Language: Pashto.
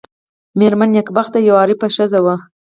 مېرمن نېکبخته یوه عارفه ښځه وه.